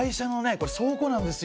これ倉庫なんですよ。